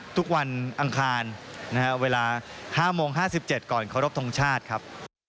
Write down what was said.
ทุกวันอังคารเวลา๕โมง๕๗ก่อนครบทรงชาติครับ